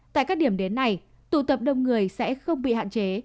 tại các điểm đến này tụ tập đông người sẽ không bị hạn chế